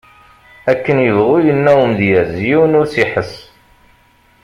Akken yebɣu yenna umedyaz, yiwen ur s-iḥess.